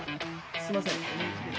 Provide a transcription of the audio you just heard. すいません。